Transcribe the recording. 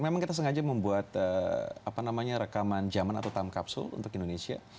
memang kita sengaja membuat apa namanya rekaman jaman atau time capsule untuk indonesia